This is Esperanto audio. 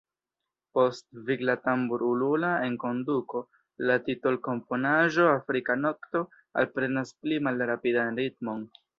Post vigla tambur-ulula enkonduko, la titolkomponaĵo Afrika nokto alprenas pli malrapidan ritmon.